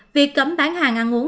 việc cấm bán hàng ăn uống